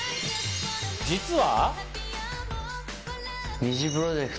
実は。